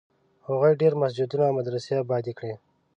هغې ډېر مسجدونه او مدرسې ابادي کړې.